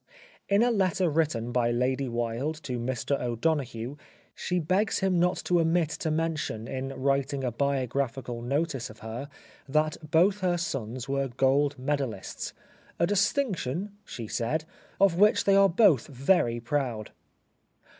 In a letter written by Lady Wilde to Mr O'Donoghue she begs him not to omit to mention in writing a biographical notice of her that both her sons were Gold Medallists, '* a distinction," she said, "of which they are both very proud."